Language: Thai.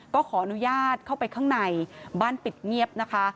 ก็ขออนุญาตเข้าไปข้างในบ้านปิดเงียบนะคะ